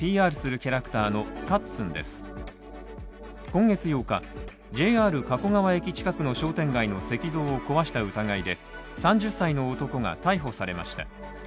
今月８日、ＪＲ加古川駅近くの商店街の石像を壊した疑いで３０歳の男が逮捕されました。